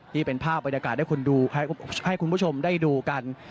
นี่เป็นภาพบรรยากาศให้คนดูให้คุณผู้ชมได้ดูกัน